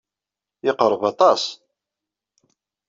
Yeqreb aṭas.